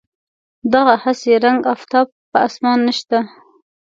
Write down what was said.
دغه هسې رنګ آفتاب په اسمان نشته.